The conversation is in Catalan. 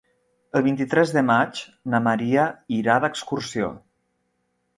El vint-i-tres de maig na Maria irà d'excursió.